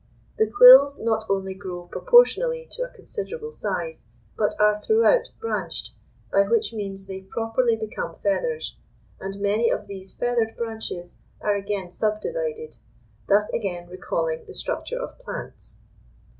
The quills not only grow proportionally to a considerable size, but are throughout branched, by which means they properly become feathers, and many of these feathered branches are again subdivided; thus, again, recalling the structure of plants.